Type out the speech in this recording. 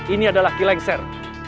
ini adalah kilengser